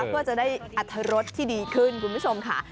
เพื่อจะได้อรรถรสที่ดีขึ้นคุณผู้ชมค่ะ